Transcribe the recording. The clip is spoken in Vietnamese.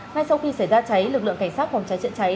ngay sau khi xảy ra cháy lực lượng cảnh sát phòng cháy chữa cháy